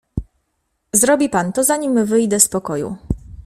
"Zrobi pan to zanim wyjdę z pokoju."